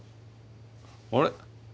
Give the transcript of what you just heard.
あれ？